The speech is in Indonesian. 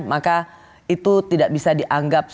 maka itu tidak bisa dianggap